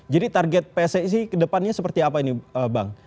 jadi target pssi kedepannya seperti apa ini bang